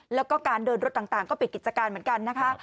แล้วก็การเดินรถต่างก็ปิดกิจการเหมือนกันนะคะ